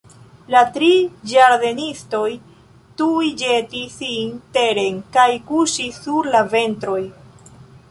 La tri ĝardenistoj tuj ĵetis sin teren kaj kuŝis sur la ventroj.